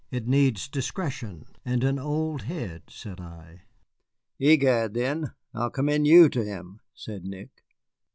It needs discretion and an old head," said I. "Egad, then, I'll commend you to him," said Nick.